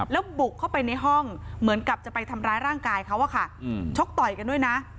แล้วบุกเข้าไปในห้องเหมือนกับจะไปทำร้ายร่างกายเขาอะค่ะชกต่อยกันด้วยนะ